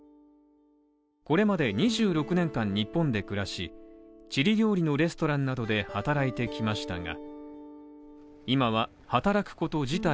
これまで２６年間日本で暮らし、チリ料理のレストランなどで働いてきましたが、今は働くこと自体